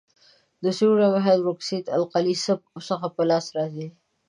د سوډیم هایدرو اکسایډ القلي څخه په لاس راځي.